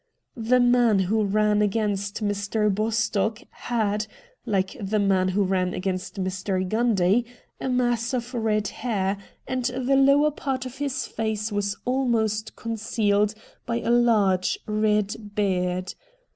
The man who ran against Mr. Bostock had, like the man who ran against Mr. Gundy, a mass of red hair, and the lower part of his face was almost con cealed by a large red beard.